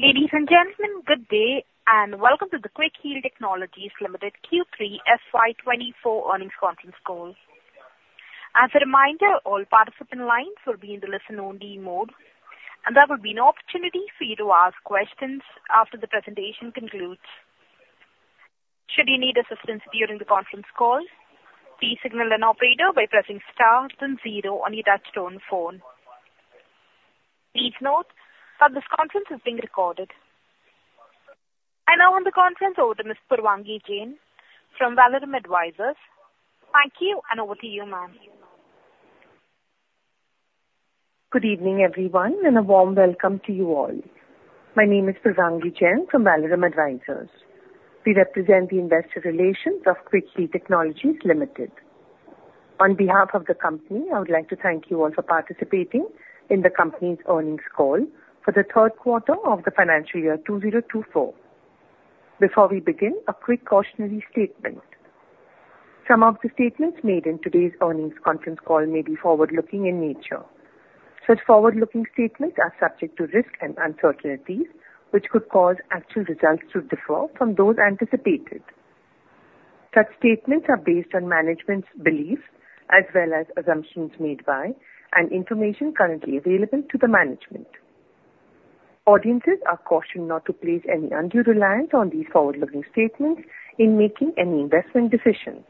Ladies and gentlemen, good day, and welcome to the Quick Heal Technologies Limited Q3 FY 2024 earnings conference call. As a reminder, all participant lines will be in the listen-only mode, and there will be an opportunity for you to ask questions after the presentation concludes. Should you need assistance during the conference call, please signal an operator by pressing star then zero on your touchtone phone. Please note that this conference is being recorded. I now hand the conference over to Ms. Purvangi Jain from Valorem Advisors. Thank you, and over to you, ma'am. Good evening, everyone, and a warm welcome to you all. My name is Purvangi Jain from Valorem Advisors. We represent the investor relations of Quick Heal Technologies Limited. On behalf of the company, I would like to thank you all for participating in the company's earnings call for the third quarter of the financial year 2024. Before we begin, a quick cautionary statement. Some of the statements made in today's earnings conference call may be forward-looking in nature. Such forward-looking statements are subject to risks and uncertainties, which could cause actual results to differ from those anticipated. Such statements are based on management's beliefs as well as assumptions made by and information currently available to the management. Audiences are cautioned not to place any undue reliance on these forward-looking statements in making any investment decisions.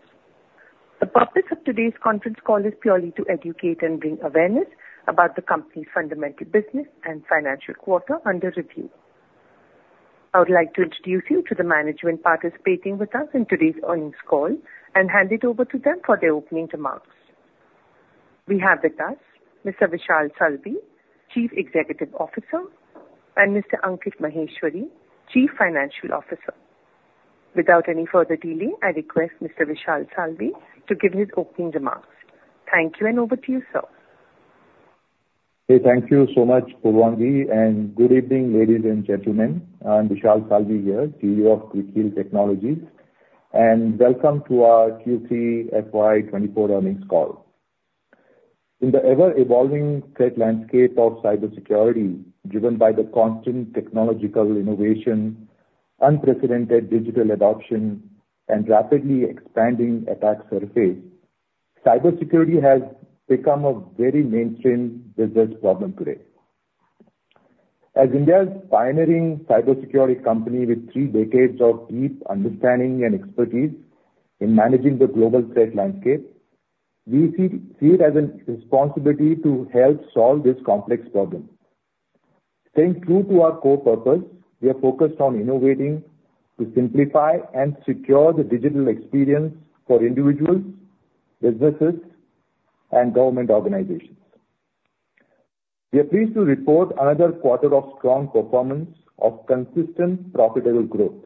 The purpose of today's conference call is purely to educate and bring awareness about the company's fundamental business and financial quarter under review. I would like to introduce you to the management participating with us in today's earnings call and hand it over to them for their opening remarks. We have with us Mr. Vishal Salvi, Chief Executive Officer, and Mr. Ankit Maheshwari, Chief Financial Officer. Without any further delay, I request Mr. Vishal Salvi to give his opening remarks. Thank you, and over to you, sir. Hey, thank you so much, Purvangi, and good evening, ladies and gentlemen. I'm Vishal Salvi here, CEO of Quick Heal Technologies, and welcome to our Q3 FY 2024 earnings call. In the ever-evolving threat landscape of cybersecurity, driven by the constant technological innovation, unprecedented digital adoption, and rapidly expanding attack surface, cybersecurity has become a very mainstream business problem today. As India's pioneering cybersecurity company with three decades of deep understanding and expertise in managing the global threat landscape, we see it as a responsibility to help solve this complex problem. Staying true to our core purpose, we are focused on innovating to simplify and secure the digital experience for individuals, businesses, and government organizations. We are pleased to report another quarter of strong performance of consistent profitable growth.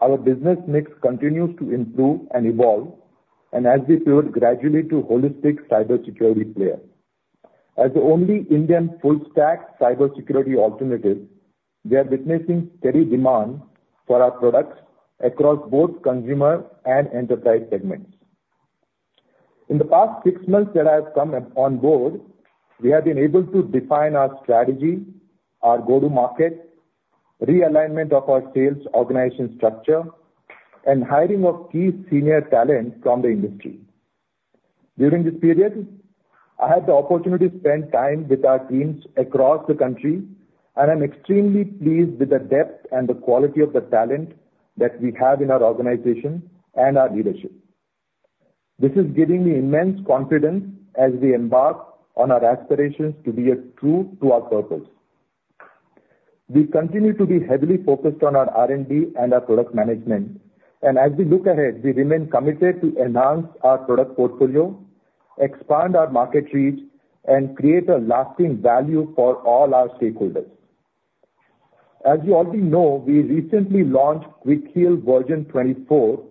Our business mix continues to improve and evolve, and as we pivot gradually to holistic cybersecurity player. As the only Indian full-stack cybersecurity alternative, we are witnessing steady demand for our products across both consumer and enterprise segments. In the past six months that I have come on board, we have been able to define our strategy, our go-to market, realignment of our sales organization structure, and hiring of key senior talent from the industry. During this period, I had the opportunity to spend time with our teams across the country, and I'm extremely pleased with the depth and the quality of the talent that we have in our organization and our leadership. This is giving me immense confidence as we embark on our aspirations to be true to our purpose. We continue to be heavily focused on our R&D and our product management, and as we look ahead, we remain committed to enhance our product portfolio, expand our market reach, and create a lasting value for all our stakeholders. As you already know, we recently launched Quick Heal Version 24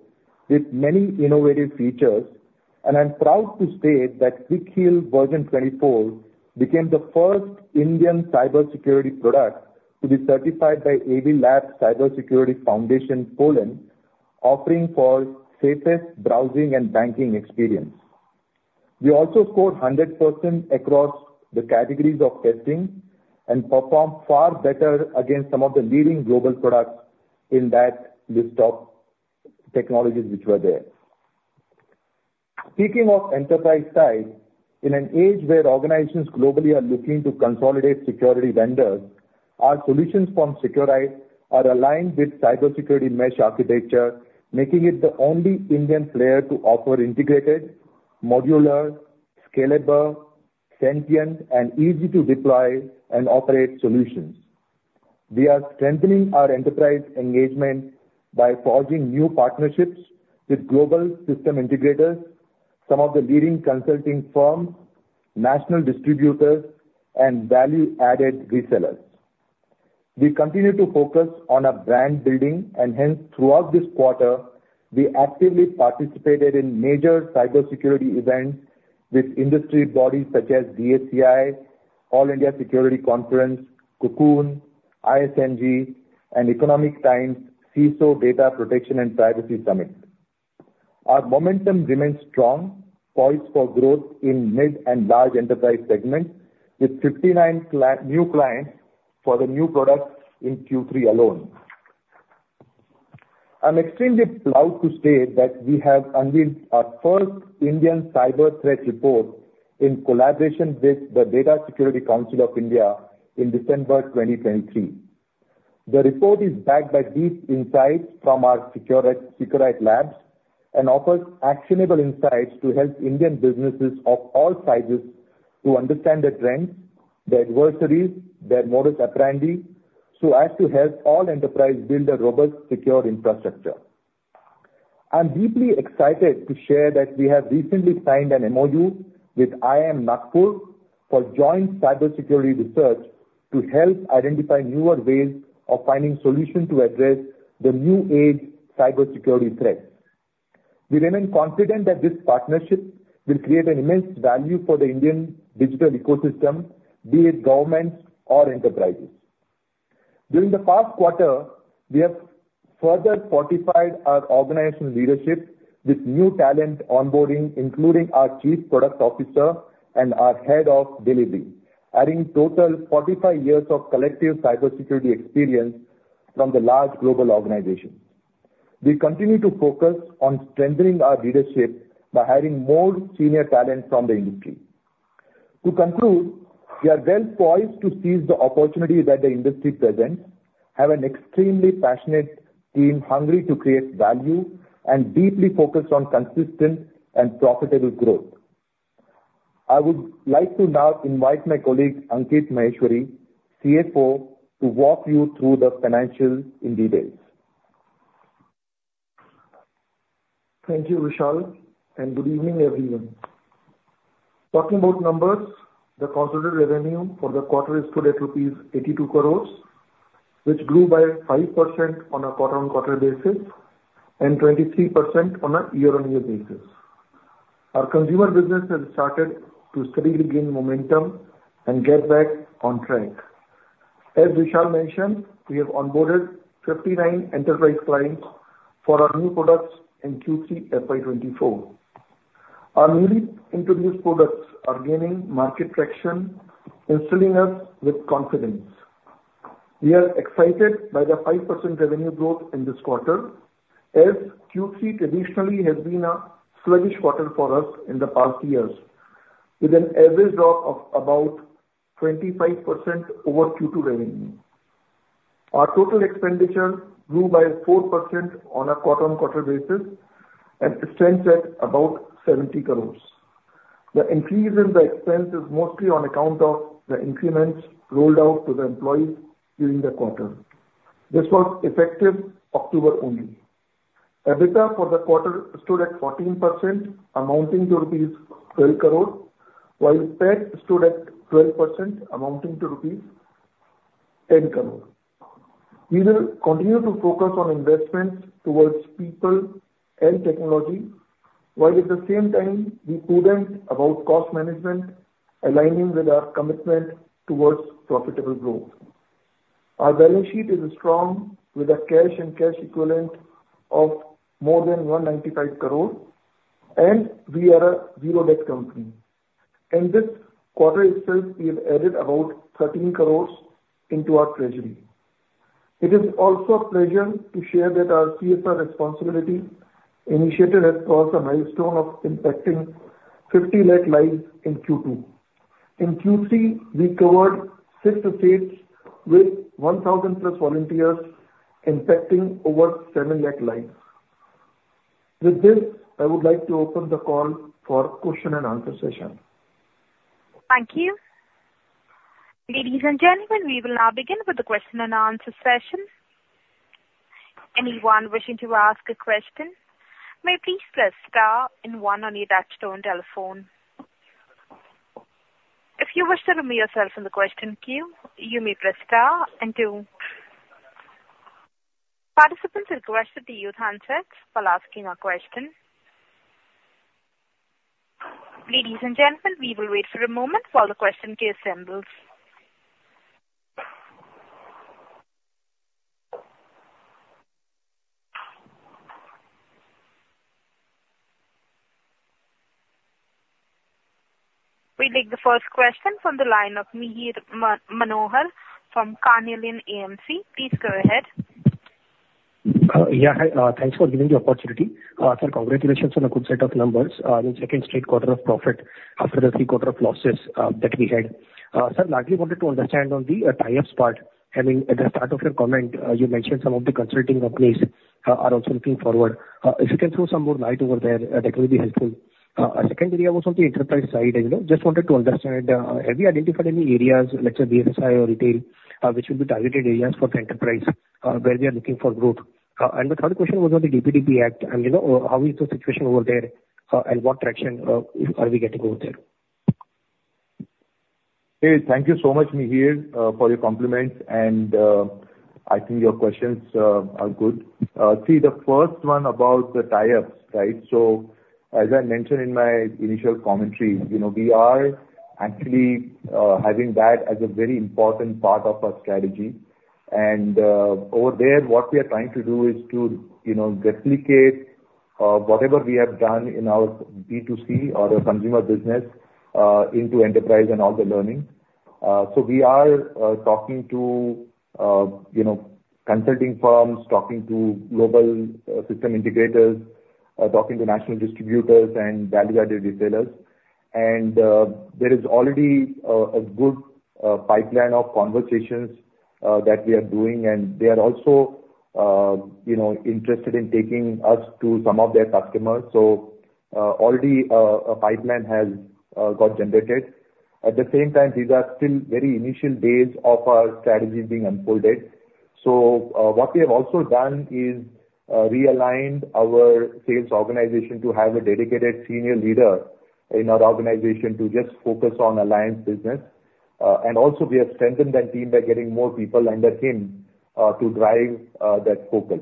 with many innovative features, and I'm proud to state that Quick Heal Version 24 became the first Indian cybersecurity product to be certified by AVLab Cybersecurity Foundation, Poland, offering for safest browsing and banking experience. We also scored 100% across the categories of testing and performed far better against some of the leading global products in that list of technologies which were there. Speaking of enterprise side, in an age where organizations globally are looking to consolidate security vendors, our solutions from Seqrite are aligned with cybersecurity mesh architecture, making it the only Indian player to offer integrated, modular, scalable, sentient, and easy-to-deploy and operate solutions. We are strengthening our enterprise engagement by forging new partnerships with global system integrators, some of the leading consulting firms, national distributors, and value-added resellers. We continue to focus on our brand building, and hence, throughout this quarter, we actively participated in major cybersecurity events with industry bodies such as DSCI, All India Security Conference, c0c0n, ISMG, and Economic Times CISO Data Protection and Privacy Summit. Our momentum remains strong, poised for growth in mid and large enterprise segments, with 59 new clients for the new products in Q3 alone. I'm extremely proud to state that we have unveiled our first Indian cyber threat report in collaboration with the Data Security Council of India in December 2023. The report is backed by deep insights from our Seqrite Labs and offers actionable insights to help Indian businesses of all sizes to understand the trends, the adversaries, their modus operandi, so as to help all enterprise build a robust, secure infrastructure. I'm deeply excited to share that we have recently signed an MOU with IIM Nagpur for joint cybersecurity research to help identify newer ways of finding solutions to address the new age cybersecurity threats. We remain confident that this partnership will create an immense value for the Indian digital ecosystem, be it governments or enterprises. During the past quarter, we have further fortified our organizational leadership with new talent onboarding, including our Chief Product Officer and our Head of Delivery, adding total 45 years of collective cybersecurity experience from the large global organizations. We continue to focus on strengthening our leadership by hiring more senior talent from the industry. To conclude, we are well poised to seize the opportunities that the industry presents, have an extremely passionate team hungry to create value and deeply focused on consistent and profitable growth. I would like to now invite my colleague, Ankit Maheshwari, CFO, to walk you through the financials in details. Thank you, Vishal, and good evening, everyone. Talking about numbers, the consolidated revenue for the quarter stood at rupees 82 crore, which grew by 5% on a quarter-on-quarter basis and 23% on a year-on-year basis. Our consumer business has started to steadily gain momentum and get back on track. As Vishal mentioned, we have onboarded 59 enterprise clients for our new products in Q3 FY 2024. Our newly introduced products are gaining market traction, instilling us with confidence. We are excited by the 5% revenue growth in this quarter, as Q3 traditionally has been a sluggish quarter for us in the past years, with an average drop of about 25% over Q2 revenue. Our total expenditure grew by 4% on a quarter-on-quarter basis and stands at about 70 crore. The increase in the expense is mostly on account of the increments rolled out to the employees during the quarter. This was effective October only. EBITDA for the quarter stood at 14%, amounting to rupees 12 crore, while PAT stood at 12%, amounting to rupees 10 crore. We will continue to focus on investments towards people and technology, while at the same time be prudent about cost management, aligning with our commitment towards profitable growth. Our balance sheet is strong, with a cash and cash equivalent of more than 195 crore, and we are a zero debt company. In this quarter itself, we have added about 13 crore into our treasury. It is also a pleasure to share that our CSR responsibility initiative has crossed a milestone of impacting 50 lakh lives in Q2. In Q3, we covered six states with 1,000+ volunteers, impacting over 700,000 lives. With this, I would like to open the call for question and answer session. Thank you. Ladies and gentlemen, we will now begin with the question and answer session. Anyone wishing to ask a question may please press star and one on your touchtone telephone. If you wish to remove yourself from the question queue, you may press star and two. Participants are requested to use handsets while asking a question. Ladies and gentlemen, we will wait for a moment while the question queue assembles. We take the first question from the line of Mihir Manohar from Carnelian AMC. Please go ahead. Yeah, hi, thanks for giving the opportunity. Sir, congratulations on a good set of numbers. Your second straight quarter of profit after the three quarter of losses that we had. Sir, largely wanted to understand on the tie-ups part. I mean, at the start of your comment, you mentioned some of the consulting companies are also looking forward. If you can throw some more light over there, that will be helpful. Second area was on the enterprise side, and, you know, just wanted to understand, have you identified any areas, let's say, BFSI or retail, which will be targeted areas for the enterprise, where we are looking for growth? The third question was on the DPDP Act, and you know, how is the situation over there, and what traction are we getting over there? Hey, thank you so much, Mihir, for your compliments, and I think your questions are good. See, the first one about the tie-ups, right? So, as I mentioned in my initial commentary, you know, we are actually having that as a very important part of our strategy. And over there, what we are trying to do is to, you know, replicate whatever we have done in our B2C or the consumer business into enterprise and all the learning. So, we are talking to, you know, consulting firms, talking to global system integrators, talking to national distributors and value-added retailers. And there is already a good pipeline of conversations that we are doing, and they are also, you know, interested in taking us to some of their customers. So, already, a pipeline has got generated. At the same time, these are still very initial days of our strategy being unfolded. So, what we have also done is realigned our sales organization to have a dedicated senior leader in our organization to just focus on alliance business. And also we have strengthened that team by getting more people under him to drive that focus.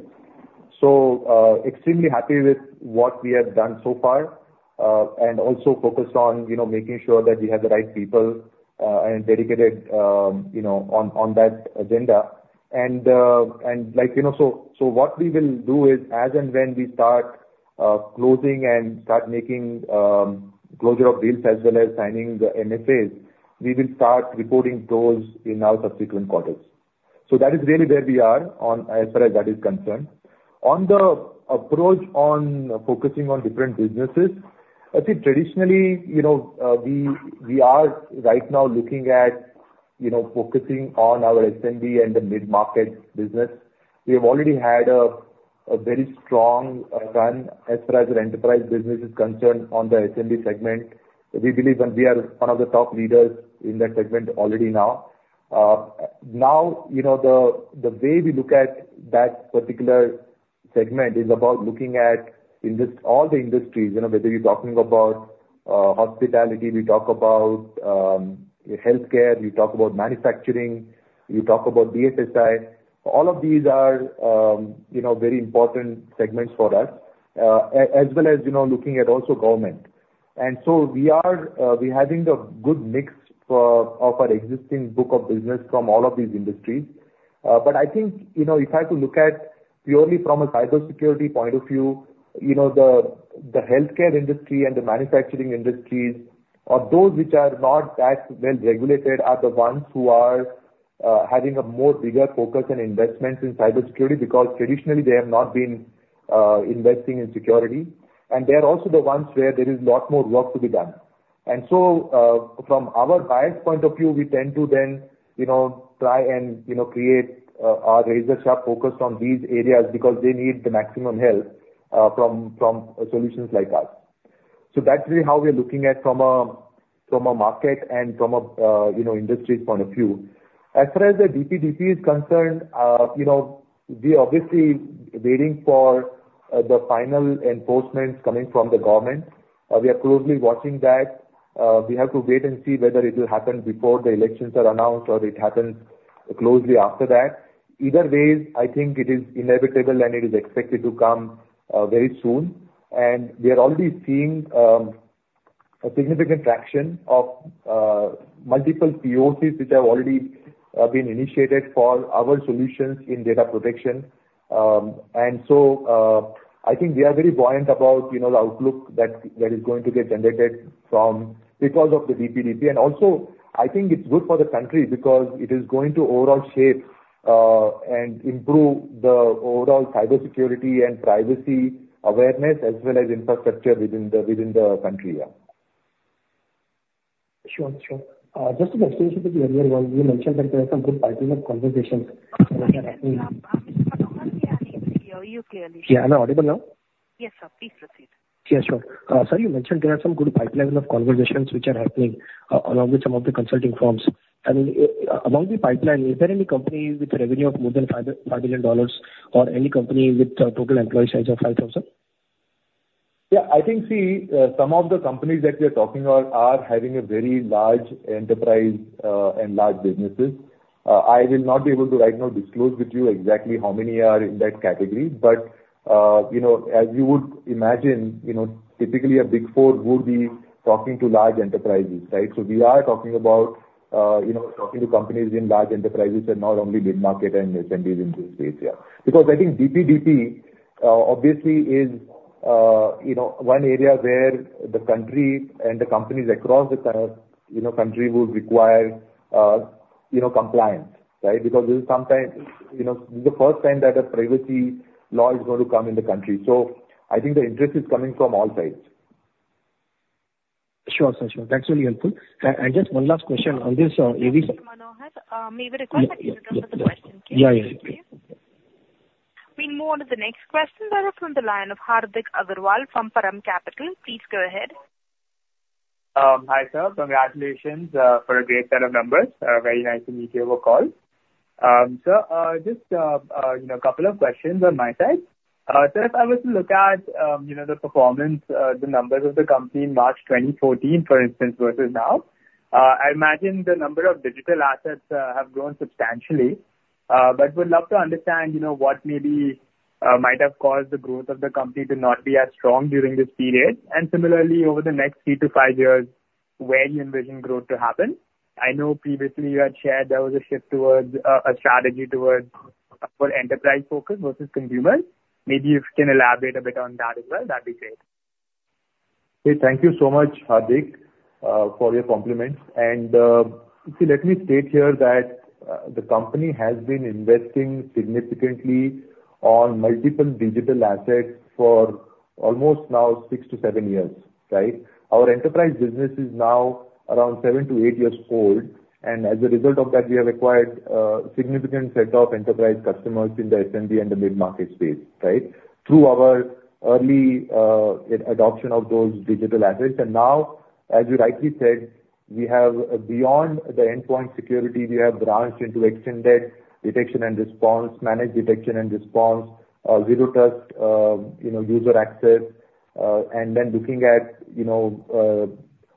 So, extremely happy with what we have done so far, and also focused on, you know, making sure that we have the right people and dedicated, you know, on, on that agenda. And, like, you know, so what we will do is, as and when we start closing and start making closure of deals as well as signing the MSAs, we will start reporting those in our subsequent quarters. So, that is really where we are on as far as that is concerned. On the approach on focusing on different businesses, I think traditionally, you know, we are right now looking at, you know, focusing on our SMB and the mid-market business. We have already had a very strong run as far as our enterprise business is concerned on the SMB segment. We believe that we are one of the top leaders in that segment already now. Now, you know, the way we look at that particular segment is about looking at all the industries, you know, whether you're talking about hospitality, we talk about healthcare, we talk about manufacturing, we talk about BFSI. All of these are, you know, very important segments for us. As well as, you know, looking at also government. And so, we're having a good mix of our existing book of business from all of these industries. But I think, you know, if I have to look at purely from a cybersecurity point of view, you know, the healthcare industry and the manufacturing industries are those which are not as well regulated, are the ones who are having a more bigger focus on investment in cybersecurity, because traditionally they have not been investing in security. They are also the ones where there is lot more work to be done. So, from our buyer's point of view, we tend to then, you know, try and, you know, create our razor-sharp focus on these areas because they need the maximum help from solutions like us. So, that's really how we are looking at from a market and from a industry point of view. As far as the DPDP is concerned, you know, we're obviously waiting for the final enforcement coming from the government. We are closely watching that. We have to wait and see whether it will happen before the elections are announced or it happens closely after that. Either way, I think it is inevitable and it is expected to come very soon. And we are already seeing a significant traction of multiple POCs, which have already been initiated for our solutions in data protection. And so, I think we are very buoyant about, you know, the outlook that is going to get generated from because of the DPDP. And also, I think it's good for the country because it is going to overall shape and improve the overall cybersecurity and privacy awareness, as well as infrastructure within the country. Yeah. Sure. Just an extension with you, earlier on, you mentioned that there are some good pipeline of conversations which are happening. Manohar, we can't hear you clearly. Yeah. Am I audible now? Yes, sir. Please proceed. Yeah, sure. Sir, you mentioned there are some good pipeline of conversations which are happening along with some of the consulting firms. Among the pipeline, is there any company with revenue of more than $5 billion, or any company with a total employee size of 5,000? Yeah, I think, see, some of the companies that we are talking are, are having a very large enterprise, and large businesses. I will not be able to right now disclose with you exactly how many are in that category. But, you know, as you would imagine, you know, typically a Big Four would be talking to large enterprises, right? So, we are talking about, you know, talking to companies in large enterprises and not only mid-market and SMBs in this space here. Because I think DPDP, obviously is, you know, one area where the country and the companies across the, you know, country would require, you know, compliance, right? Because this is sometimes, you know, this is the first time that a privacy law is going to come in the country. I think the interest is coming from all sides. Sure, sir, sure. That's really helpful. Just one last question on this. Manohar, may we request that you re-queue the question, please? Yeah. We move on to the next question, over from the line of Hardik Agarwal from Param Capital. Please go ahead. Hi, sir. Congratulations for a great set of numbers. Very nice to meet you over call. Sir, just you know, a couple of questions on my side. Sir, if I were to look at you know, the performance the numbers of the company in March 2014, for instance, versus now, I imagine the number of digital assets have grown substantially. But would love to understand, you know, what maybe might have caused the growth of the company to not be as strong during this period, and similarly, over the next 3-5 years, where you envision growth to happen? I know previously you had shared there was a shift towards a strategy towards for enterprise focus versus consumer. Maybe you can elaborate a bit on that as well, that'd be great. Hey, thank you so much, Hardik, for your compliments. See, let me state here that the company has been investing significantly on multiple digital assets for almost now 6-7 years, right? Our enterprise business is now around 7-8 years old, and as a result of that, we have acquired significant set of enterprise customers in the SMB and the mid-market space, right? Through our early adoption of those digital assets. Now, as you rightly said, we have beyond the endpoint security, we have branched into extended detection and response, managed detection and response, Zero Trust, you know, user access, and then looking at, you know,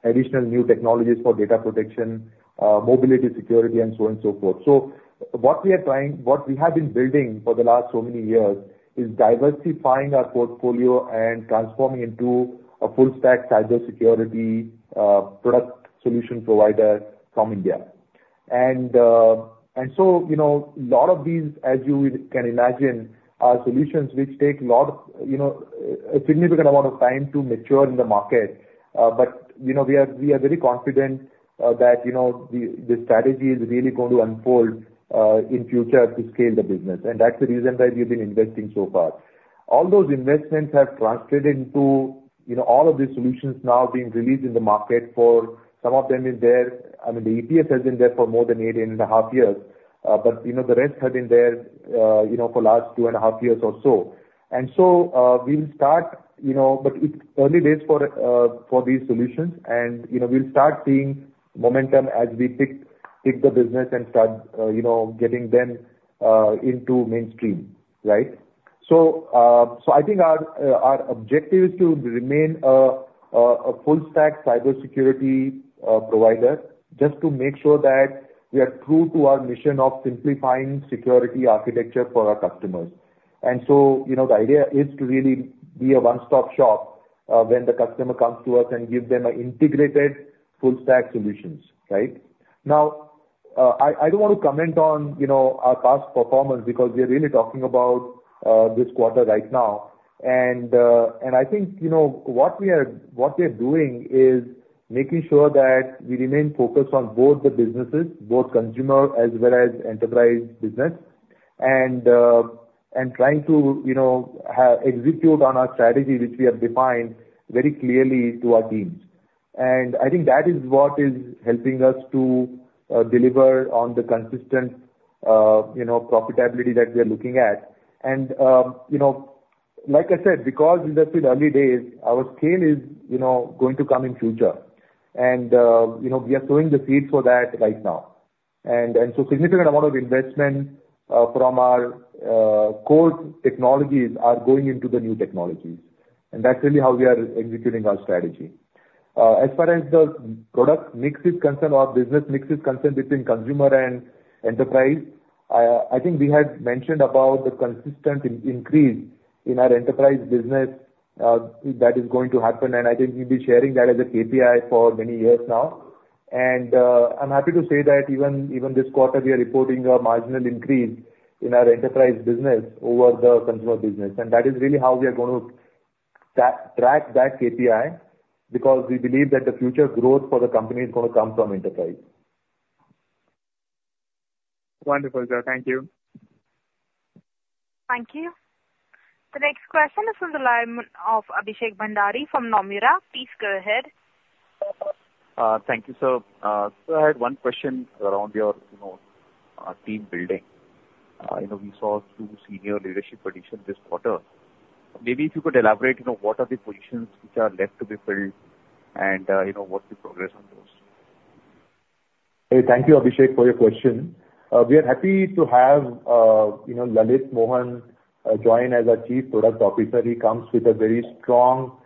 additional new technologies for data protection, mobility security, and so on and so forth. So, what we have been building for the last so many years is diversifying our portfolio and transforming into a full stack cybersecurity product solution provider from India. And so, you know, lot of these, as you can imagine, are solutions which take lot, you know, a significant amount of time to mature in the market. But, you know, we are very confident that, you know, the strategy is really going to unfold in future to scale the business. And that's the reason why we've been investing so far. All those investments have translated into, you know, all of these solutions now being released in the market for some of them is there, I mean, the EPS has been there for more than eight and a half years. But, you know, the rest have been there, you know, for last 2.5 years or so. And so, we'll start, you know, but it's early days for these solutions and, you know, we'll start seeing momentum as we pick the business and start, you know, getting them into mainstream, right? So, I think, our objective is to remain, a full stack cybersecurity provider, just to make sure that we are true to our mission of simplifying security architecture for our customers. And so, you know, the idea is to really be a one-stop shop, when the customer comes to us and give them an integrated full stack solution, right? Now, I don't want to comment on, you know, our past performance because we are really talking about this quarter right now. And, I think, you know, what we are doing is making sure that we remain focused on both the businesses, both consumer as well as enterprise business, and trying to, you know, execute on our strategy, which we have defined very clearly to our teams. And, I think, that is what is helping us to deliver on the consistent, you know, profitability that we are looking at. And, you know, like I said, because these are still early days, our scale is, you know, going to come in future. And, you know, we are sowing the seeds for that right now. And so, a significant amount of investment from our core technologies is going into the new technologies, and that's really how we are executing our strategy. As far as the product mix is concerned or business mix is concerned between consumer and enterprise, I think we had mentioned about the consistent increase in our enterprise business that is going to happen, and I think we'll be sharing that as a KPI for many years now. And, I'm happy to say that even this quarter, we are reporting a marginal increase in our enterprise business over the consumer business. And that is really how we are going to track that KPI, because we believe that the future growth for the company is going to come from enterprise. Wonderful, sir. Thank you. Thank you. The next question is on the line of Abhishek Bhandari from Nomura. Please go ahead. Thank you, sir. I had one question around your, you know, team building. You know, we saw two senior leadership additions this quarter. Maybe if you could elaborate, you know, what are the positions which are left to be filled and, you know, what's the progress on those? Hey, thank you, Abhishek, for your question. We are happy to have, you know, Lalit Mohan joins as our Chief Product Officer. He comes with a very strong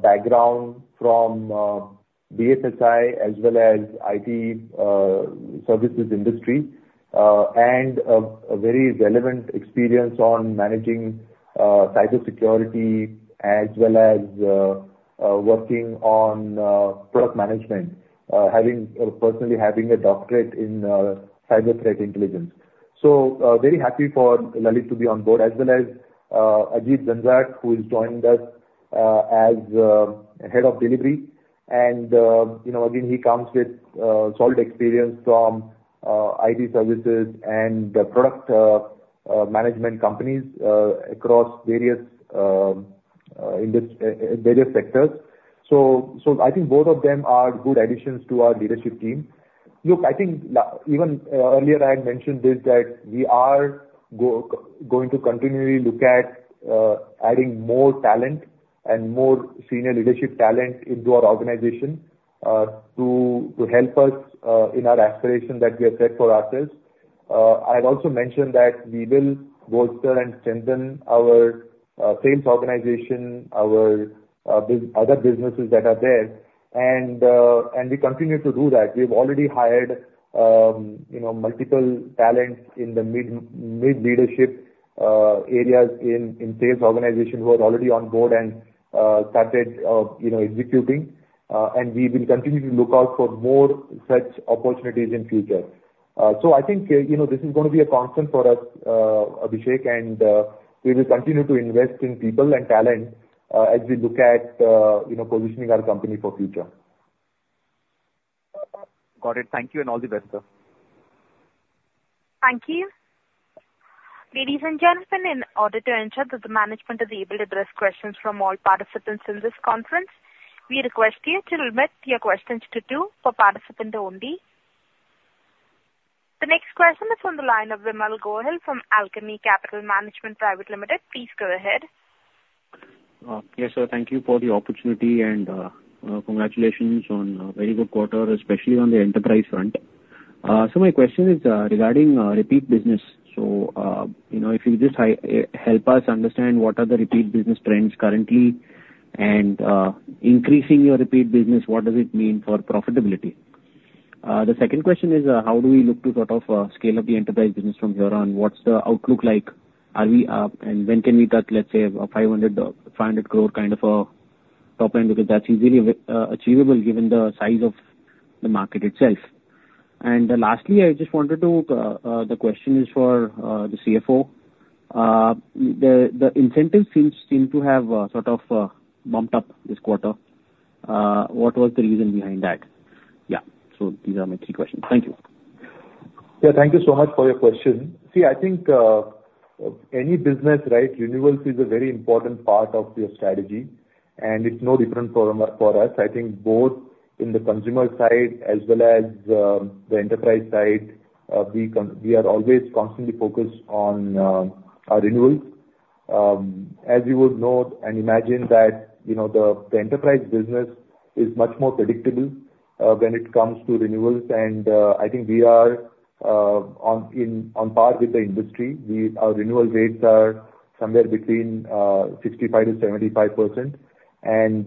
background from BFSI as well as IT services industry. And a very relevant experience on managing cybersecurity as well as working on product management, personally having a doctorate in cyber threat intelligence. So, very happy for Lalit to be on board, as well as Ajit Zanjad, who is joining us as Head of Delivery. And, you know, again, he comes with solid experience from IT services and product management companies across various sectors. So, I think both of them are good additions to our leadership team. Look, I think even earlier I had mentioned this, that we are going to continually look at adding more talent and more senior leadership talent into our organization to help us in our aspiration that we have set for ourselves. I've also mentioned that we will bolster and strengthen our sales organization, our other businesses that are there, and we continue to do that. We've already hired, you know, multiple talents in the mid leadership areas in sales organization, who are already on board and started, you know, executing, and we will continue to look out for more such opportunities in future. So, I think, you know, this is going to be a constant for us, Abhishek, and we will continue to invest in people and talent, as we look at, you know, positioning our company for future. Got it. Thank you, and all the best, sir. Thank you. Ladies and gentlemen, in order to ensure that the management is able to address questions from all participants in this conference, we request you to limit your questions to two per participant only. The next question is on the line of Vimal Gohil from Alchemy Capital Management Private Limited. Please go ahead. Yes, sir. Thank you for the opportunity and, congratulations on a very good quarter, especially on the enterprise front. So my question is, regarding repeat business. So, you know, if you just help us understand what are the repeat business trends currently, and increasing your repeat business, what does it mean for profitability? The second question is, how do we look to sort of scale up the enterprise business from here on? What's the outlook like? Are we up, and when can we touch, let's say, 500 crore kind of a top end? Because that's easily achievable given the size of the market itself. And lastly, I just wanted to. The question is for the CFO. The incentive seems to have sort of bumped up this quarter. What was the reason behind that? Yeah. So, these are my three questions. Thank you. Yeah. Thank you so much for your question. See, I think, any business, right, renewals is a very important part of your strategy, and it's no different for us. I think both in the consumer side as well as, the enterprise side, we are always constantly focused on, renewals. As you would note and imagine that, you know, the enterprise business is much more predictable, when it comes to renewals, and, I think we are, on par with the industry. We, our renewal rates are somewhere between, 65%-75%. And,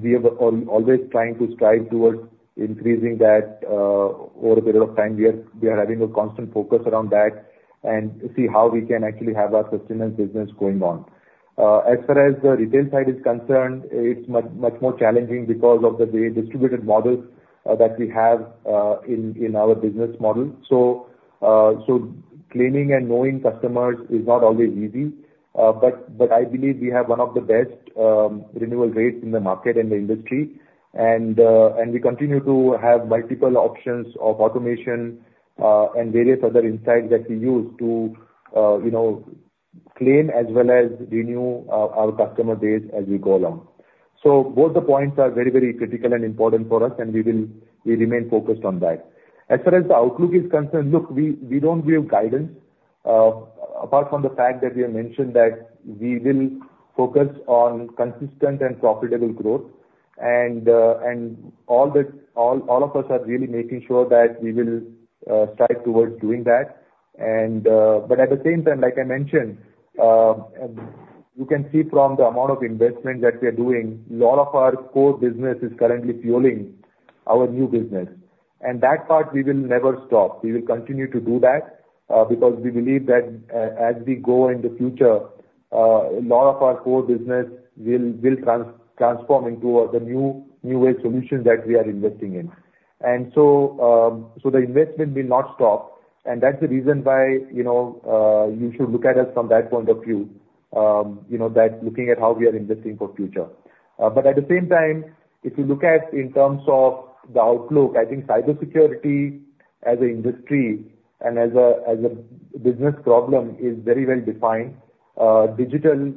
we are always trying to strive towards increasing that, over a period of time. We are having a constant focus around that, and to see how we can actually have our sustainable business going on. As far as the retail side is concerned, it's much more challenging because of the very distributed model that we have in our business model. So, claiming and knowing customers is not always easy, but I believe we have one of the best renewal rates in the market and the industry. And, we continue to have multiple options of automation and various other insights that we use to, you know, claim as well as renew our customer base as we go along. So both the points are very, very critical and important for us, and we will we remain focused on that. As far as the outlook is concerned, look, we don't give guidance apart from the fact that we have mentioned that we will focus on consistent and profitable growth. And all of us are really making sure that we will strive towards doing that. But at the same time, like I mentioned, you can see from the amount of investment that we are doing, lot of our core business is currently fueling our new business. And that part we will never stop. We will continue to do that, because we believe that as we go in the future, a lot of our core business will transform into the new way solutions that we are investing in. And so, the investment will not stop, and that's the reason why, you know, you should look at us from that point of view. You know, that looking at how we are investing for future. But at the same time, if you look at in terms of the outlook, I think cybersecurity as an industry and as a business problem is very well defined. Digital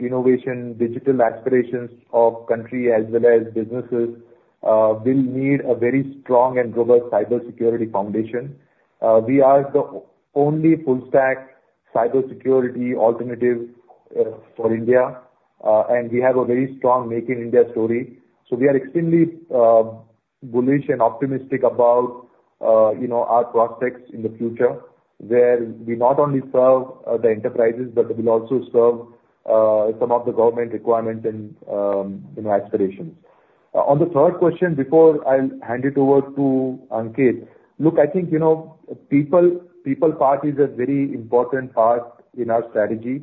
innovation, digital aspirations of country as well as businesses, will need a very strong and robust cybersecurity foundation. We are the only full stack cybersecurity alternative, for India, and we have a very strong Make in India story. So we are extremely bullish and optimistic about, you know, our prospects in the future, where we not only serve the enterprises, but we will also serve some of the government requirements and, you know, aspirations. On the third question, before I'll hand it over to Ankit: Look, I think you know, people part is a very important part in our strategy,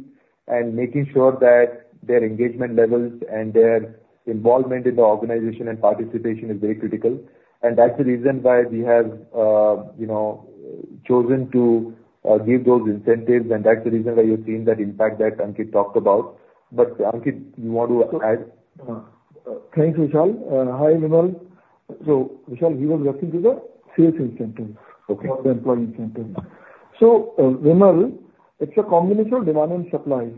and making sure that their engagement levels and their involvement in the organization and participation is very critical. And that's the reason why we have, you know, chosen to give those incentives, and that's the reason why you're seeing that impact that Ankit talked about. But Ankit, you want to add? Thank you, Vishal. Hi, Vimal. So Vishal, he was referring to the sales incentive or the employee incentive. So, Vimal, it's a combination of demand and supply.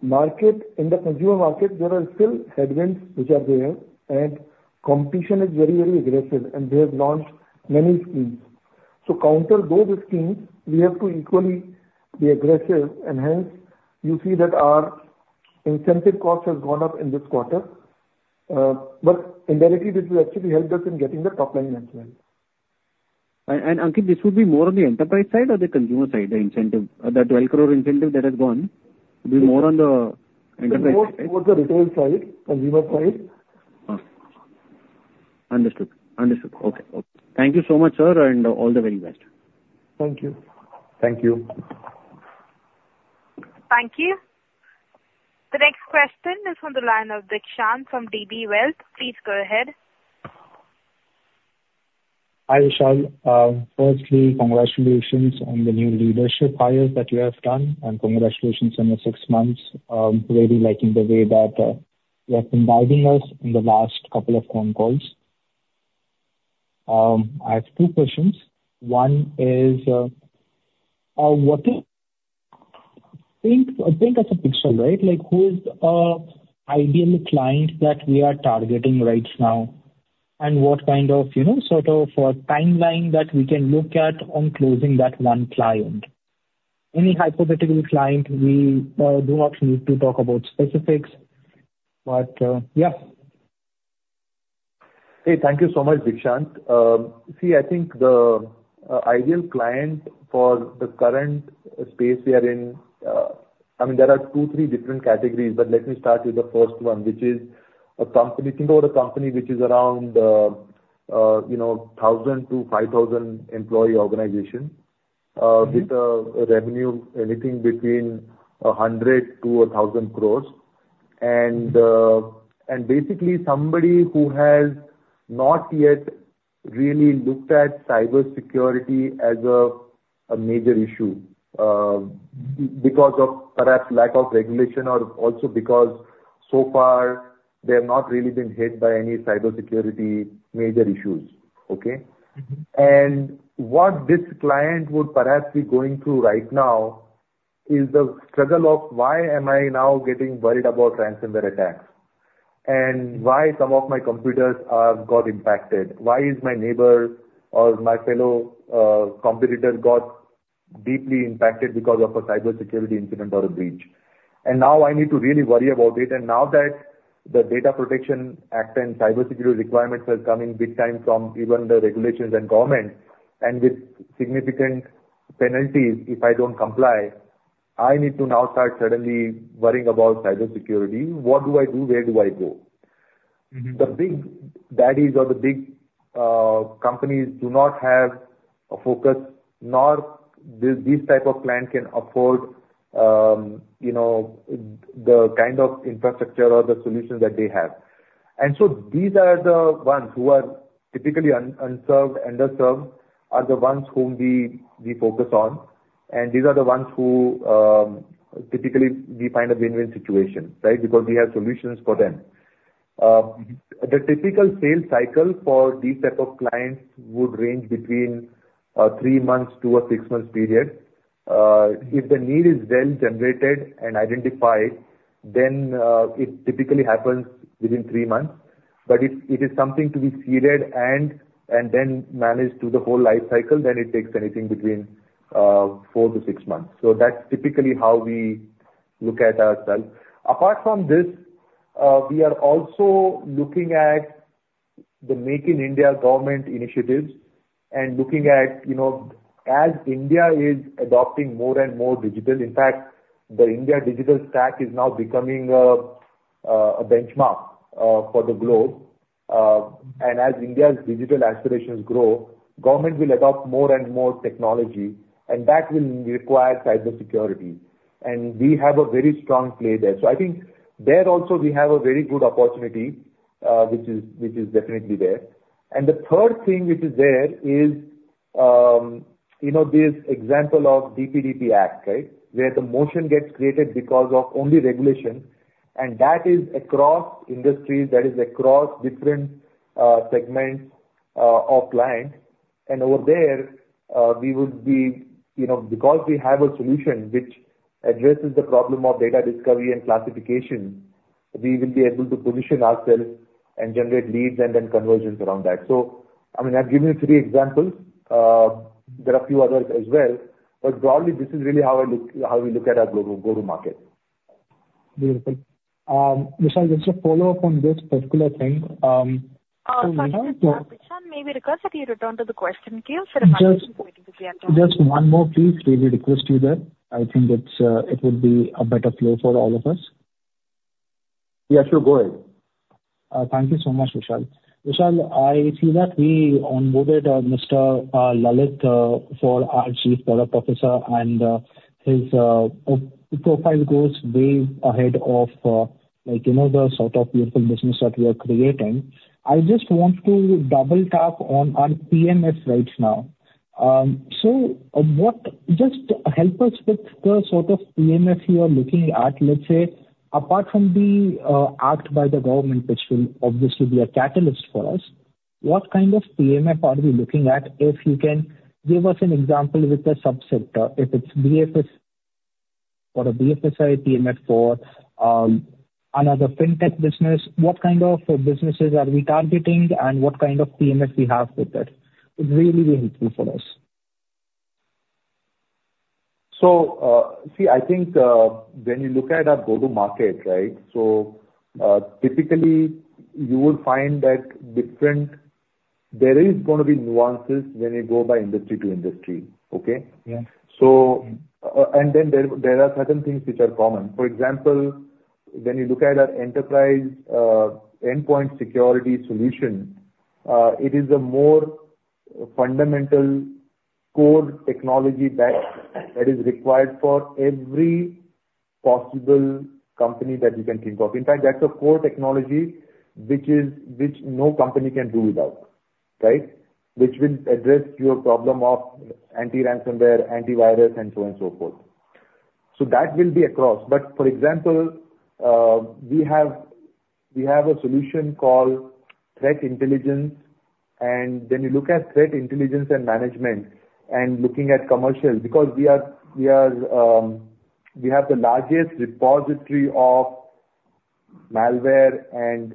Market, in the consumer market, there are still headwinds which are there, and competition is very, very aggressive, and they have launched many schemes. To counter those schemes, we have to equally be aggressive, and hence, you see that our incentive cost has gone up in this quarter. But indirectly, this will actually help us in getting the top line as well. And Ankit, this would be more on the enterprise side or the consumer side, the incentive? The 12 crore incentive that has gone will be more on the enterprise side? It's more towards the retail side, consumer side. Understood. Okay. Thank you so much, sir, and all the very best. Thank you. Thank you. Thank you. The next question is from the line of Deekshant from DB Wealth. Please go ahead. Hi, Vishal. Firstly, congratulations on the new leadership hires that you have done, and congratulations on the six months. Really liking the way that you have been guiding us in the last couple of phone calls. I have two questions. One is, think as a picture, right? Like, who is an ideal client that we are targeting right now, and what kind of, you know, sort of a timeline that we can look at on closing that one client? Any hypothetical client, we do want to talk about specifics, but yeah. Hey, thank you so much, Deekshant. See, I think the ideal client for the current space we are in, I mean, there are two, three different categories, but let me start with the first one, which is about a company which is around, you know, 1,000 to 5,000 employee organization with a revenue anything between 100 crore-1,000 crore. And basically, somebody who has not yet really looked at cybersecurity as a major issue, because of perhaps lack of regulation or also because so far they have not really been hit by any cybersecurity major issues, okay? What this client would perhaps be going through right now is the struggle of: Why am I now getting worried about ransomware attacks? And why some of my computers are got impacted? Why is my neighbor or my fellow competitor got deeply impacted because of a cybersecurity incident or a breach? And now I need to really worry about it. And now that the Data Protection Act and cybersecurity requirements are coming big time from even the regulations and governments, and with significant penalties if I don't comply, I need to now start suddenly worrying about cybersecurity. What do I do? Where do I go? The big daddies or the big, companies do not have a focus, nor do these type of client can afford, you know, the kind of infrastructure or the solutions that they have. And so, these are the ones who are typically unserved, underserved, are the ones whom we focus on, and these are the ones who, typically we find a win-win situation, right? Because we have solutions for them. The typical sales cycle for these type of clients would range between, 3 months to a 6-month period. If the need is well generated and identified, then, it typically happens within 3 months. But if it is something to be seeded, and then managed through the whole life cycle, then it takes anything between, 4-6 months. So that's typically how we look at ourselves. Apart from this, we are also looking at the Make in India government initiatives and looking at, you know, as India is adopting more and more digital. In fact, the India Digital Stack is now becoming a benchmark, for the globe. And as India's digital aspirations grow, government will adopt more and more technology, and that will require cybersecurity, and we have a very strong play there. So I think, there also we have a very good opportunity, which is definitely there. And the third thing which is there is, you know, this example of DPDP Act, right? Where the motion gets created because of only regulation, and that is across industries, that is across different, segments, of clients. Over there, we would be, you know, because we have a solution which addresses the problem of data discovery and classification, we will be able to position ourselves and generate leads and then conversions around that. So, I mean, I've given you three examples. There are a few others as well, but broadly, this is really how I look, how we look at our go-to market. Beautiful. Vishal, just a follow-up on this particular thing. Sorry, Deekshant, may we request that you return to the question queue? Just. So we can join. Just one more, please, may we request you that? I think it would be a better flow for all of us. Yeah, sure. Go ahead. Thank you so much, Vishal. Vishal, I see that we onboarded Mr. Lalit for our Chief Product Officer, and his profile goes way ahead of, like, you know, the sort of beautiful business that we are creating. I just want to double tap on our PMS right now. So what? Just help us with the sort of PMS you are looking at, let's say, apart from the act by the government, which will obviously be a catalyst for us, what kind of PMS are we looking at? If you can give us an example with a subsector, if it's BFS or a BFSI PMS for another fintech business, what kind of businesses are we targeting, and what kind of PMS we have with it? It's really, really key for us. So, see, I think, when you look at our go-to market, right? So, typically, you will find that different, there is going to be nuances when you go by industry to industry, okay? Yeah. So, and then there are certain things which are common. For example, when you look at our enterprise endpoint security solution, it is a more fundamental core technology that is required for every possible company that you can think of. In fact, that's a core technology which no company can do without, right? Which will address your problem of anti-ransomware, antivirus, and so on, and so forth. So that will be across. But for example, we have a solution called Threat Intelligence, and when you look at threat intelligence and management and looking at commercial, because we have the largest repository of malware and,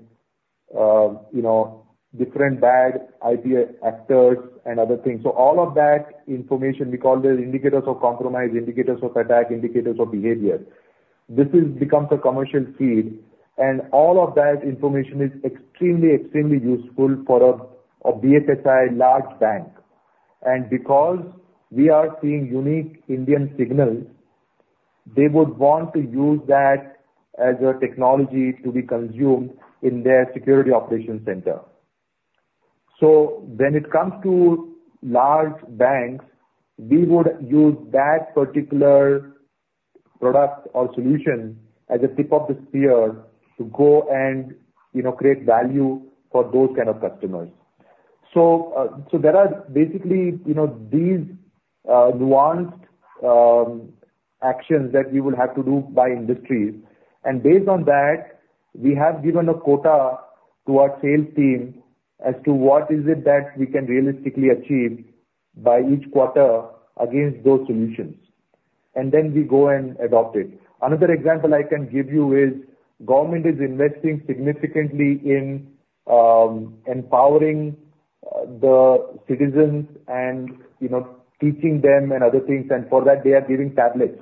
you know, different bad actors and other things. So all of that information, we call those indicators of compromise, indicators of attack, indicators of behavior. This then becomes a commercial feed, and all of that information is extremely, extremely useful for a BFSI large bank. And because we are seeing unique Indian signals, they would want to use that as a technology to be consumed in their security operations center. So when it comes to large banks, we would use that particular product or solution as a tip of the spear to go and, you know, create value for those kind of customers. So, there are basically, you know, these, nuanced actions that we will have to do by industries. And based on that, we have given a quota to our sales team as to what is it that we can realistically achieve by each quarter against those solutions, and then we go and adopt it. Another example I can give you is, the government is investing significantly in empowering the citizens and, you know, teaching them and other things, and for that, they are giving tablets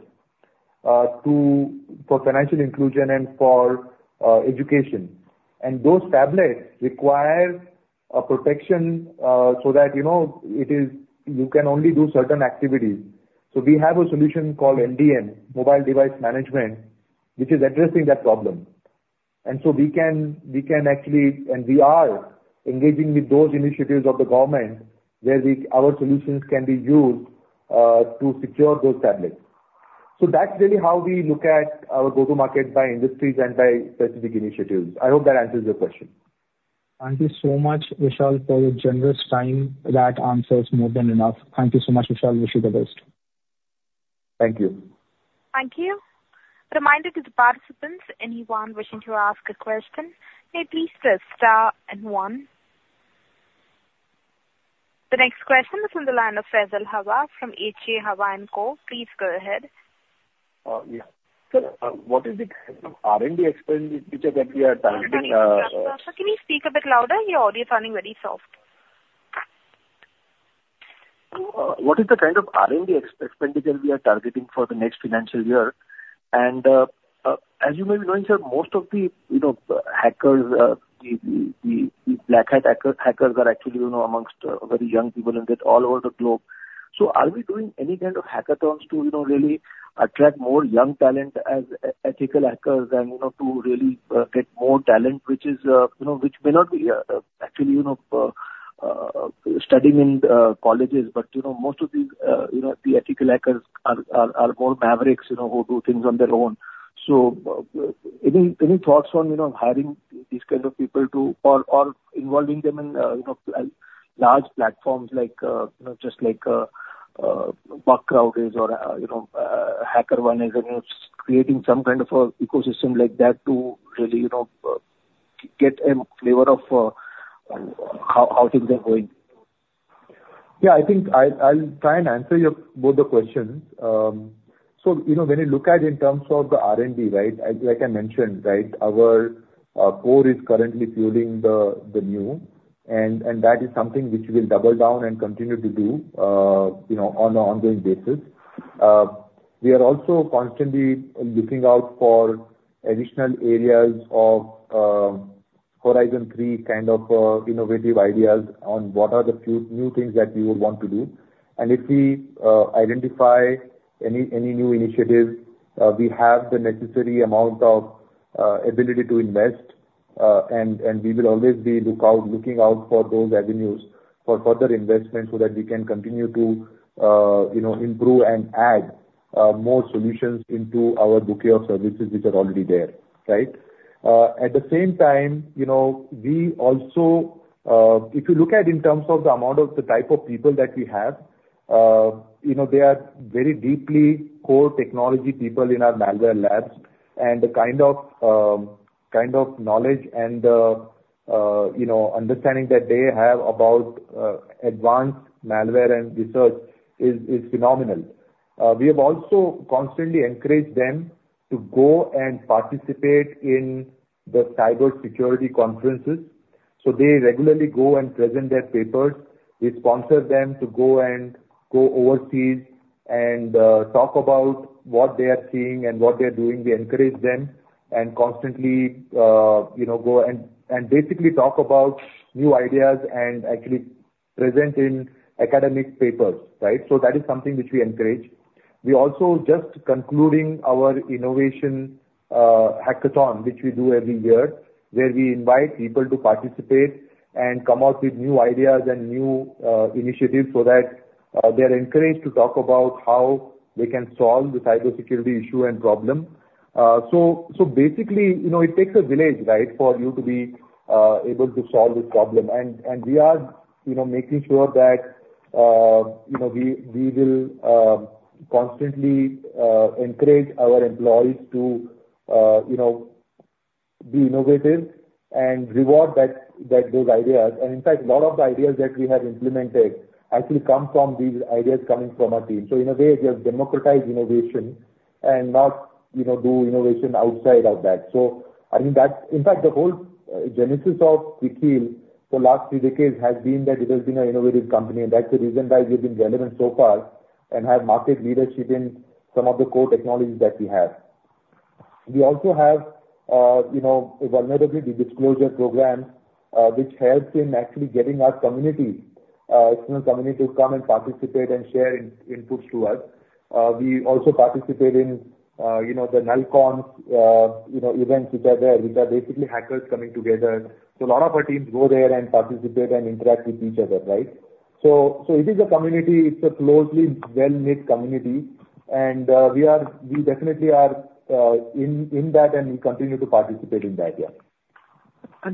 for financial inclusion and for education. And those tablets require a protection, so that, you know, it is, you can only do certain activities. So we have a solution called MDM, Mobile Device Management, which is addressing that problem. And so we can actually, and we are engaging with those initiatives of the government, where we, our solutions can be used to secure those tablets. So that's really how we look at our go-to-market by industries and by specific initiatives. I hope that answers your question. Thank you so much, Vishal, for your generous time. That answers more than enough. Thank you so much, Vishal. Wish you the best. Thank you. Thank you. Reminder to the participants, anyone wishing to ask a question, may please press star and one. The next question is from the line of Faisal Hawa from H.G. Hawa & Co. Please go ahead. Yeah. So, what is the R&D expenditure that we are targeting? Can you speak a bit louder? Your audio is sounding very soft. What is the kind of R&D expenditure we are targeting for the next financial year? And, as you may be knowing, sir, most of the, you know, hackers, the black hat hackers are actually, you know, amongst very young people and it's all over the globe. So are we doing any kind of hackathons to, you know, really attract more young talent as ethical hackers and, you know, to really get more talent, which is, you know, which may not be actually, you know, studying in colleges, but, you know, most of these, you know, the ethical hackers are more mavericks, you know, who do things on their own. So any thoughts on, you know, hiring these kind of people to, or involving them in, you know, large platforms like, you know, just like, Bugcrowd is or, you know, HackerOne is, you know, creating some kind of an ecosystem like that to really, you know, get a flavor of, how things are going? Yeah, I think, I'll try and answer your both the questions. So, you know, when you look at in terms of the R&D, right? Like I mentioned, right, our core is currently fueling the new, and that is something which we will double down and continue to do, you know, on an ongoing basis. We are also constantly looking out for additional areas of Horizon 3 kind of innovative ideas on what are the few new things that we would want to do. And if we identify any new initiatives, we have the necessary amount of ability to invest, and we will always be looking out for those avenues for further investment, so that we can continue to, you know, improve and add more solutions into our bouquet of services which are already there, right? At the same time, you know, we also. If you look at in terms of the amount of the type of people that we have, you know, they are very deeply core technology people in our malware labs. And the kind of knowledge and, you know, understanding that they have about advanced malware and research is phenomenal. We have also constantly encouraged them to go and participate in the cybersecurity conferences, so they regularly go and present their papers. We sponsor them to go and go overseas and talk about what they are seeing and what they are doing. We encourage them and constantly, you know, basically talk about new ideas and actually present in academic papers, right? So that is something which we encourage. We also just concluding our innovation, hackathon, which we do every year, where we invite people to participate and come out with new ideas and new initiatives, so that they are encouraged to talk about how they can solve the cybersecurity issue and problem. So basically, you know, it takes a village, right? For you to be able to solve this problem. We are, you know, making sure that, you know, we will constantly encourage our employees to, you know, be innovative and reward those ideas. And in fact, a lot of the ideas that we have implemented actually come from these ideas coming from our team. So in a way, we have democratized innovation and not, you know, do innovation outside of that. So I think that's. In fact, the whole genesis of Quick Heal for last three decades has been that it has been an innovative company, and that's the reason why we've been relevant so far and have market leadership in some of the core technologies that we have. We also have, you know, a vulnerability disclosure program, which helps in actually getting our community, external community to come and participate and share inputs to us. We also participate in, you know, the Nullcon, you know, events which are there, which are basically hackers coming together. So, a lot of our teams go there and participate and interact with each other, right? So, it is a community. It's a closely well-knit community, and, we definitely are in that, and we continue to participate in that. Yeah.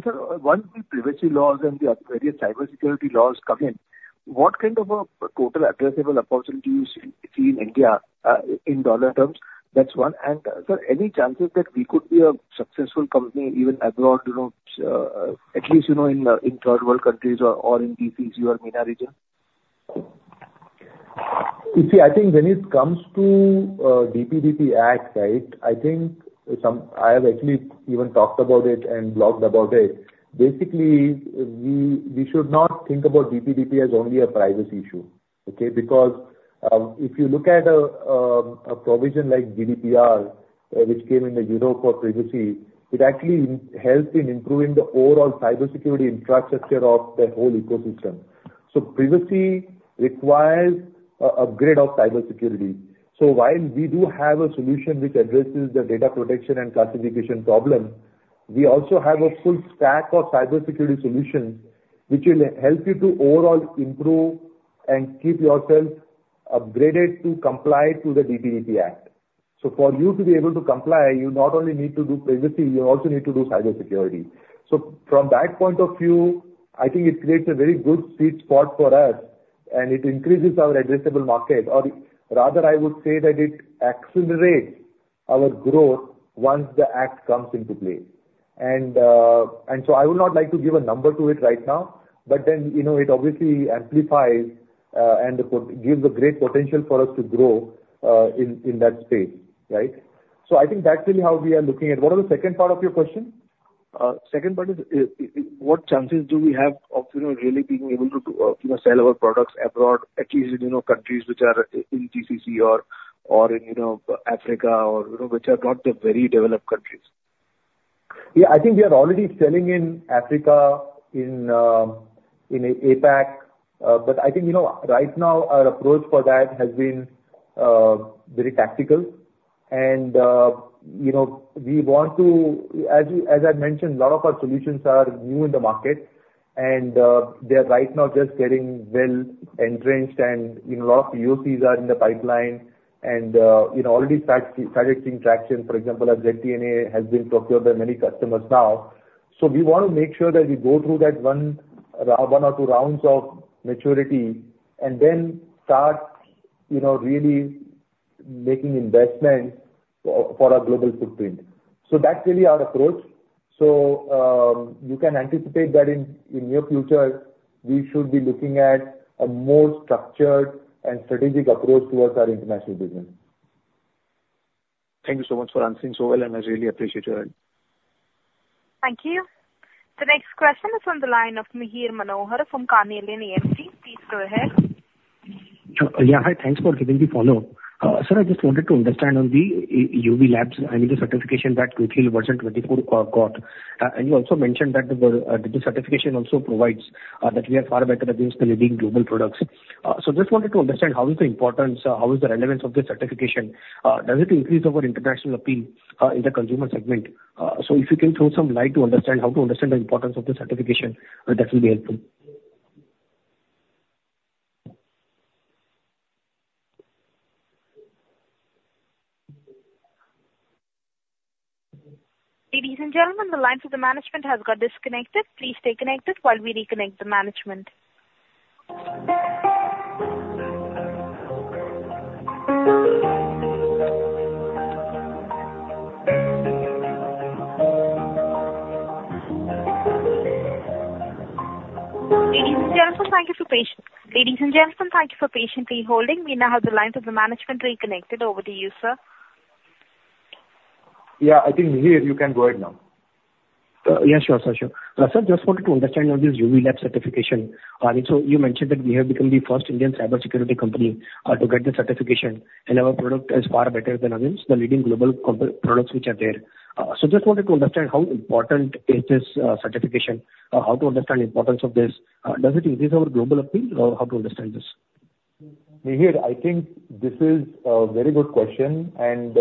Sir, once the privacy laws and the various cybersecurity laws come in, what kind of a total addressable opportunities in India in dollar terms? That's one. Sir, any chances that we could be a successful company even abroad, you know, at least you know in third world countries or in GCC or MENA region? You see, I think when it comes to DPDP Act, right, I think some, I have actually even talked about it and blogged about it. Basically, we should not think about DPDP as only a privacy issue, okay? Because if you look at a provision like GDPR, which came in the Europe for privacy, it actually helps in improving the overall cybersecurity infrastructure of the whole ecosystem. So privacy requires upgrade of cybersecurity. So while we do have a solution which addresses the data protection and classification problem, we also have a full stack of cybersecurity solutions, which will help you to overall improve and keep yourself upgraded to comply to the DPDP Act. So for you to be able to comply, you not only need to do privacy, you also need to do cybersecurity. So, from that point of view, I think it creates a very good, sweet spot for us, and it increases our addressable market, or rather, I would say that it accelerates our growth once the act comes into play. And so I would not like to give a number to it right now, but then, you know, it obviously amplifies, and gives a great potential for us to grow in that space, right? So, I think that's really how we are looking at. What was the second part of your question? Second part is, what chances do we have of, you know, really being able to, you know, sell our products abroad, at least in, you know, countries which are in GCC or in, you know, Africa, or, you know, which are not the very developed countries? Yeah, I think we are already selling in Africa, in APAC. But I think, you know, right now, our approach for that has been very tactical. And, you know, we want to, as I mentioned, a lot of our solutions are new in the market, and they are right now just getting well entrenched and, you know, a lot of POCs are in the pipeline and, you know, already starting to see traction. For example, our ZTNA has been procured by many customers now. So, we want to make sure that we go through that one or two rounds of maturity and then start, you know, really making investments for our global footprint. So that's really our approach. You can anticipate that in near future, we should be looking at a more structured and strategic approach towards our international business. Thank you so much for answering so well, and I really appreciate your help. Thank you. The next question is on the line of Mihir Manohar from Carnelian AMC. Please go ahead. Yeah, hi. Thanks for giving the follow-up. Sir, I just wanted to understand on the AVLab, I mean, the certification that Quick Heal Version 24 got. And you also mentioned that the certification also provides that we are far better against the leading global products. So just wanted to understand how is the importance, how is the relevance of the certification? Does it increase our international appeal in the consumer segment? So if you can throw some light to understand how to understand the importance of the certification, that will be helpful. Ladies and gentlemen, the line for the management has got disconnected. Please stay connected while we reconnect the management. Ladies and gentlemen, thank you for patiently holding. We now have the lines of the management reconnected. Over to you, sir. Yeah, I think, Mihir, you can go ahead now. Yeah, sure, sir, sure. Sir, just wanted to understand on this AVLab certification. So you mentioned that we have become the first Indian cybersecurity company to get the certification, and our product is far better than against the leading global comp products which are there. So just wanted to understand how important is this certification, how to understand the importance of this. Does it increase our global appeal? How to understand this? Mihir, I think this is a very good question, and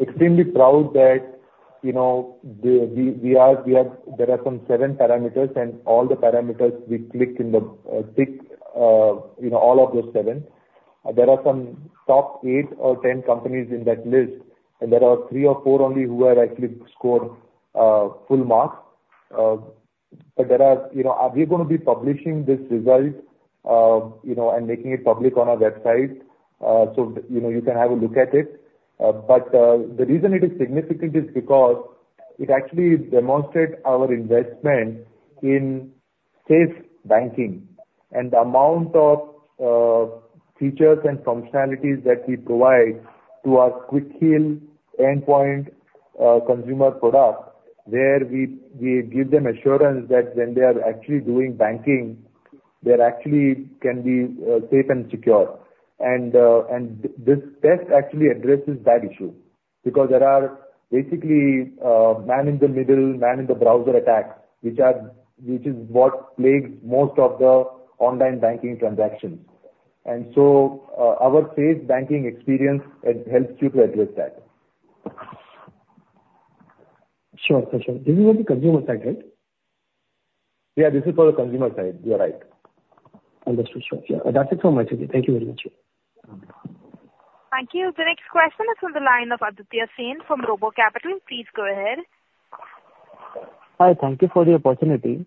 extremely proud that, you know, we are. There are some seven parameters, and all the parameters we clicked in the tick, you know, all of those seven. There are some top eight or 10 companies in that list, and there are three or four only who are actually scored full marks. But there are, you know, are we going to be publishing this result, you know, and making it public on our website? So, you know, you can have a look at it. But the reason it is significant is because it actually demonstrates our investment in Safe Banking and the amount of features and functionalities that we provide to our Quick Heal endpoint consumer product, where we give them assurance that when they are actually doing banking, they actually can be safe and secure. And this test actually addresses that issue, because there are basically man-in-the-middle, man-in-the-browser attacks, which is what plagues most of the online banking transactions. And so, our Safe Banking experience, it helps you to address that. Sure. This is on the consumer side, right? Yeah, this is for the consumer side. You are right. Understood, sure. Yeah, that's it from my side. Thank you very much. Thank you. The next question is from the line of Aditya Sen from RoboCapital. Please go ahead. Hi. Thank you for the opportunity.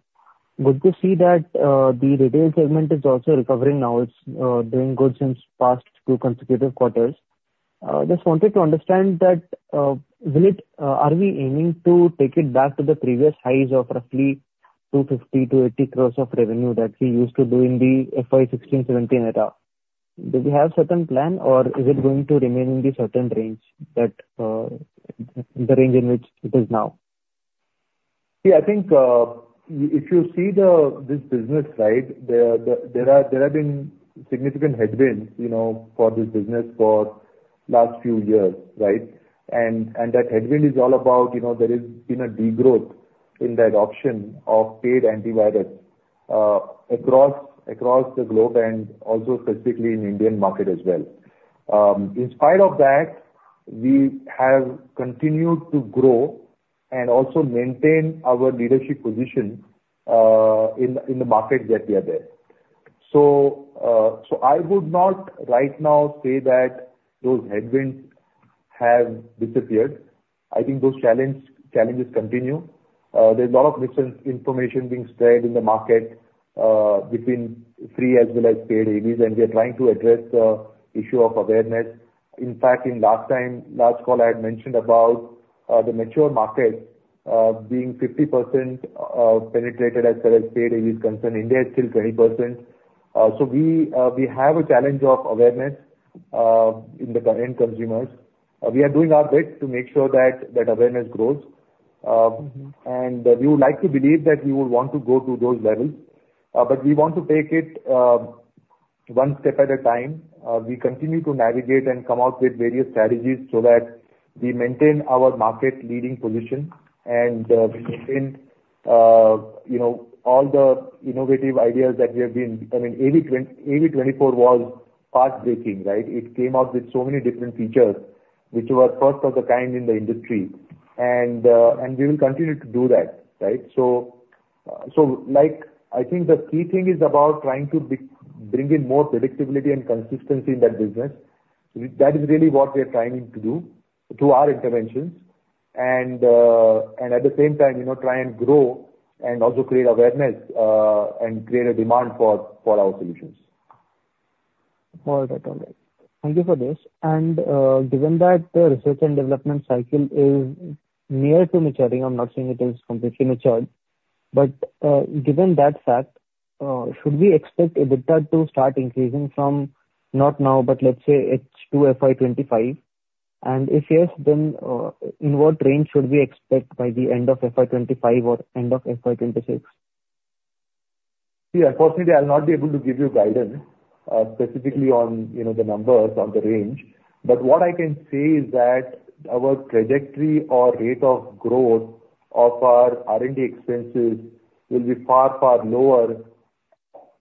Good to see that, the retail segment is also recovering now. It's doing good since past two consecutive quarters. Just wanted to understand that, will it, are we aiming to take it back to the previous highs of roughly 250-280 crores of revenue that we used to do in the FY 2016, 2017 era? Do we have certain plan, or is it going to remain in the certain range that, the range in which it is now? Yeah, I think, if you see this business, right, there have been significant headwinds, you know, for this business for last few years, right? And, that headwind is all about, you know, there has been a degrowth in the adoption of paid antivirus, across the globe and also specifically in Indian market as well. In spite of that, we have continued to grow and also maintain our leadership position, in the market that we are there. So, I would not right now say that those headwinds have disappeared. I think those challenges continue. There's a lot of misinformation being spread in the market, between free as well as paid AVs, and we are trying to address the issue of awareness. In fact, in last time, last call, I had mentioned about the mature market being 50% penetrated as well as paid AV is concerned. India is still 20%. So, we have a challenge of awareness in the current consumers. We are doing our best to make sure that awareness grows. And we would like to believe that we would want to go to those levels, but we want to take it one step at a time. We continue to navigate and come out with various strategies so that we maintain our market-leading position, and we maintain you know all the innovative ideas that we have been, I mean, AV 24 was pathbreaking, right? It came out with so many different features which were first of the kind in the industry. And we will continue to do that, right? So, like, I think the key thing is about trying to bring in more predictability and consistency in that business. That is really what we are trying to do through our interventions, and at the same time, you know, try and grow and also create awareness, and create a demand for our solutions. All right. Thank you for this. And, given that the research and development cycle is near to maturing, I'm not saying it is completely matured, but, given that fact, should we expect EBITDA to start increasing from not now, but let's say H2 FY 2025? And if yes, then, in what range should we expect by the end of FY 2025 or end of FY 2026? Yeah. Unfortunately, I'll not be able to give you guidance, specifically on, you know, the numbers or the range. But what I can say is that our trajectory or rate of growth of our R&D expenses will be far lower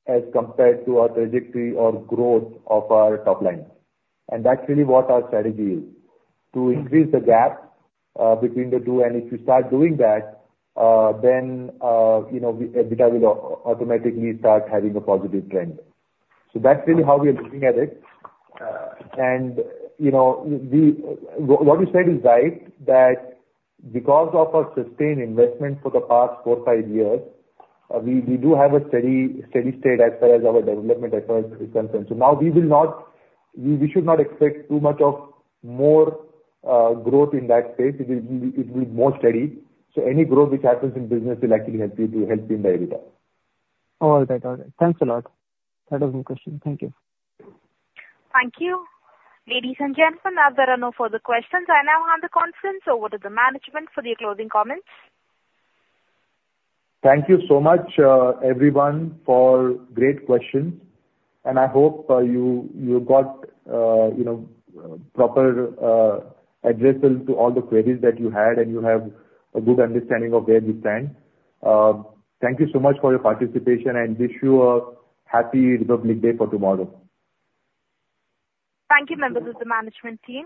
as compared to our trajectory or growth of our top line. And that's really what our strategy is: to increase the gap, between the two. And if you start doing that, you know, EBITDA will automatically start having a positive trend. So that's really how we are looking at it. And, you know, what you said is right, that because of our sustained investment for the past four, five years, we do have a steady, steady state as far as our development effort is concerned. So now we will not. We should not expect too much of more growth in that space. It will be steadier, so any growth which happens in business will actually help you, help in the EBITDA. All right. I got it. Thanks a lot. That was my question. Thank you. Thank you. Ladies and gentlemen, now there are no further questions. I now hand the conference over to the management for their closing comments. Thank you so much, everyone, for great questions, and I hope you got, you know, proper addresses to all the queries that you had, and you have a good understanding of where we stand. Thank you so much for your participation and wish you a Happy Republic Day for tomorrow. Thank you, members of the management team.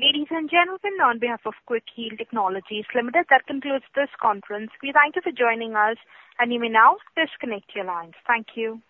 Ladies and gentlemen, on behalf of Quick Heal Technologies Limited, that concludes this conference. We thank you for joining us, and you may now disconnect your lines. Thank you.